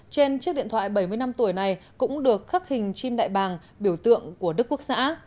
trên chiếc điện thoại bảy mươi năm tuổi này cũng được khắc hình chim đại bàng biểu tượng của đức quốc xã